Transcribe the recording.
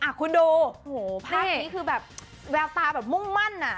คุณดูโอ้โหภาพนี้คือแบบแววตาแบบมุ่งมั่นอ่ะ